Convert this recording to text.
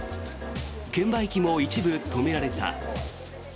券売機も一部止められた。